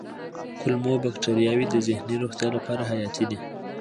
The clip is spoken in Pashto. کولمو بکتریاوې د ذهني روغتیا لپاره حیاتي دي.